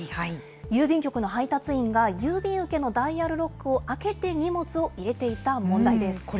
郵便局の配達員が、郵便受けのダイヤルロックを開けて荷物を入れていた問題です。